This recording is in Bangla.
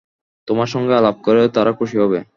তোমার সঙ্গে আলাপ করে তারা খুশী হবে।